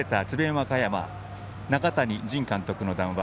和歌山中谷仁監督の談話。